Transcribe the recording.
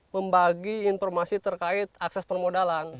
membagi informasi terkait akses permodalan